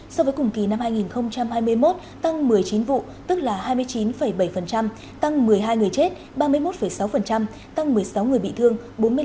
so với cùng kỳ năm hai nghìn hai mươi một tăng một mươi chín vụ tức là hai mươi chín bảy tăng một mươi hai người chết ba mươi một sáu tăng một mươi sáu người bị thương bốn mươi năm